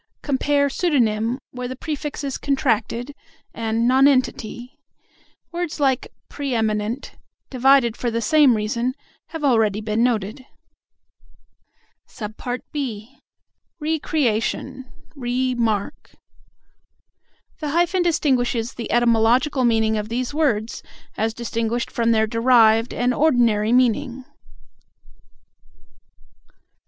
Compare "pseudonym," where the prefix is contracted, and "nonentity." Words like "pre eminent," divided for the same reason, have already been noted. (b) "Re creation," "re mark." The hyphen distinguishes the etymological meaning of these words as distinguished from their derived and ordinary meaning.